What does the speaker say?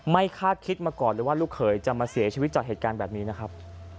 คาดคิดมาก่อนเลยว่าลูกเขยจะมาเสียชีวิตจากเหตุการณ์แบบนี้นะครับ